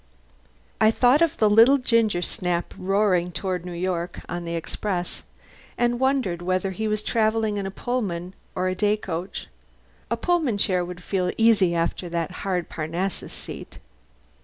I thought of the little gingersnap roaring toward New York on the express, and wondered whether he was travelling in a Pullman or a day coach. A Pullman chair would feel easy after that hard Parnassus seat.